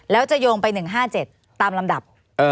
แล้วจะโยงไป๑๕๗ตามลำดับ